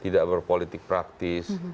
tidak berpolitik praktis